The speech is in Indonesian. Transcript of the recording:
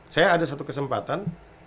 saya ada satu kesempatan